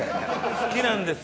好きなんですよ。